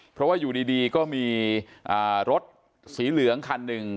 เพราะว่าอยู่ดีก็มีรถสีเหลืองคันหนึ่ง